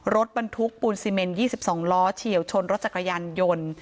รถบรรทุกปูนซีเมน๒๒ล้อเฉียวชนรถจักรยานยนต์